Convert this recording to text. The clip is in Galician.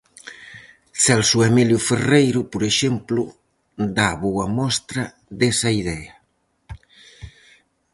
Celso Emilio Ferreiro, por exemplo, dá boa mostra desa idea: